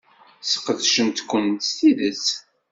Sqedcent-ken s tidet.